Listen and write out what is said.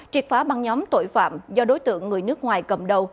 triệt phá băng nhóm tội phạm do đối tượng người nước ngoài cầm đầu